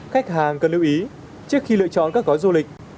khách hàng cần lưu ý trước khi lựa chọn các gói du lịch